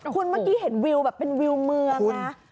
คุณเมื่อกี้เห็นวิวแบบเป็นวิวเมืองนะ